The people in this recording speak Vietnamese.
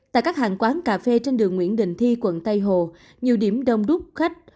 tại các hàng quán cà phê trên đường nguyễn đình thi quận tây hồ nhiều điểm đông đúc khách